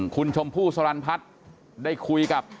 คุณชมพู่สรรพัฒน์ได้คุยกับ